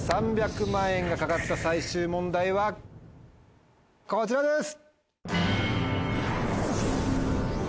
３００万円が懸かった最終問題はこちらです。